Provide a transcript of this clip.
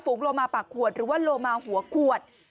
โลมาปากขวดหรือว่าโลมาหัวขวด